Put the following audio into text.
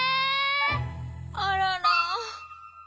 あらら。